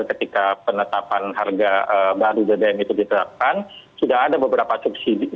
ketika penetapan harga baru bbm itu diterapkan